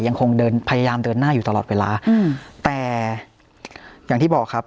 ยังคงเดินพยายามเดินหน้าอยู่ตลอดเวลาอืมแต่อย่างที่บอกครับ